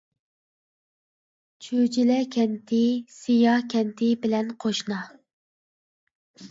چۈجىلە كەنتى، سىيا كەنتى بىلەن قوشنا.